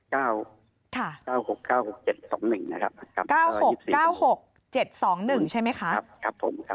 ใช้เบอร์มือถือได้ครับ๐๘๙๙๖๖๗๒๑นะครับ